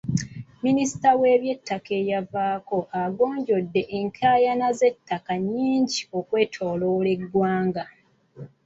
Minisita w'ebyettaka eyavaako agonjodde enkaayana z'ettaka nnyingi okwetooloola eggwanga.